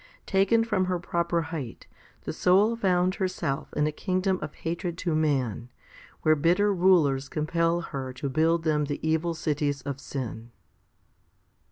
Taken from her proper height, the soul found herself in a kingdom of hatred to man, where bitter rulers compel her to build them the evil cities of sin.